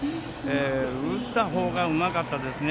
打った方がうまかったですね。